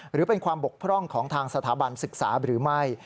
หรือเป็นความบกพร่องของทางสถาบันศึกษาหรือไม่